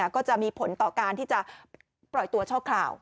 ก็จะมีผลต่อการที่จะปล่อยตัวชั่วคราว